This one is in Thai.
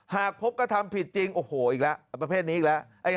หากพบกระทำผิดจริงโอ้โหอีกแล้วประเภทนี้อีกแล้ว